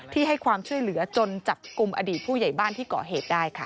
ให้ความช่วยเหลือจนจับกลุ่มอดีตผู้ใหญ่บ้านที่ก่อเหตุได้ค่ะ